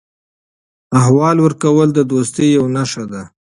احوال ورکول د دوستۍ یوه نښه ده.